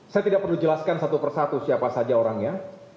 saya tidak perlu jelaskan satu persatu siapa saja orangnya